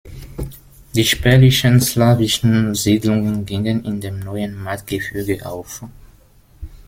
Die spärlichen slawischen Siedlungen gingen in dem neuen Machtgefüge auf.